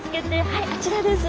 はいあちらです。